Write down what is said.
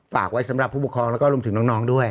ฝากไว้สำหรับผู้ปกครองแล้วก็รวมถึงน้องด้วย